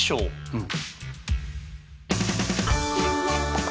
うん。